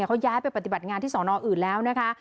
เขาย้ายไปปฏิบัติงานที่สอนออื่นแล้วนะคะ